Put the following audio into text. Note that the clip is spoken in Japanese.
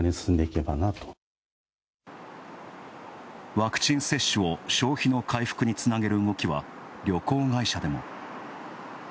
ワクチン接種を消費の回復につなげる動きは旅行会社でも。